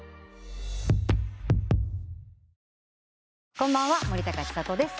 こんばんは森高千里です。